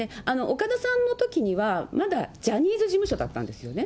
岡田さんのときには、まだジャニーズ事務所だったんですよね。